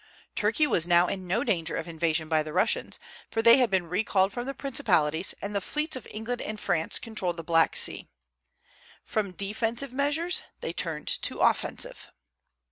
Turkey was now in no danger of invasion by the Russians, for they had been recalled from the principalities, and the fleets of England and France controlled the Black Sea. From defensive measures they turned to offensive.